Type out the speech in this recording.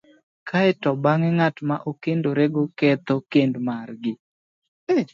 kae to bang'e ng'at ma okendorego ketho kend margi,